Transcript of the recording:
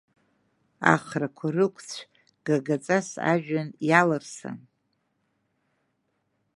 Ахрақәа рықәцә гагаҵас ажәҩан иалырсын.